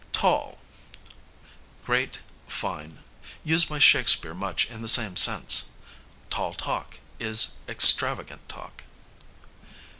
Tall, great, fine (used by Shakespeare much in the same sense); tall talk is extravagant talk.